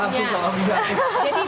langsung dengan minyaknya